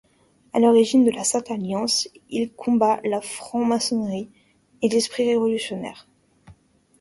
À l'origine de la Sainte alliance, il combat la franc-maçonnerie et l'esprit révolutionnaire.